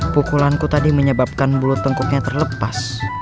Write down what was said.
pukulanku tadi menyebabkan bulu tengkuknya terlepas